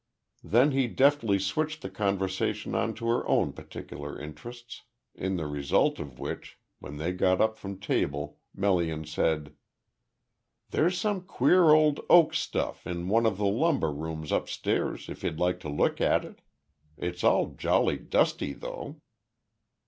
Then he deftly switched the conversation on to her own particular interests, in the result of which, when they got up from table, Melian said: "There's some queer old oak stuff in one of the lumber rooms upstairs if you'd like to look at it. It's all jolly dusty though."